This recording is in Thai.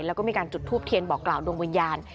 แล้วก็มีการจุดทูปเทียนบอกกล่าวดวงวิญญาณ